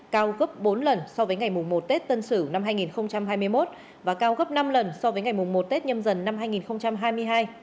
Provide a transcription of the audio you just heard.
cao gấp bốn lần so với ngày mùng một tết tân sửu năm hai nghìn hai mươi một và cao gấp năm lần so với ngày một tết nhâm dần năm hai nghìn hai mươi hai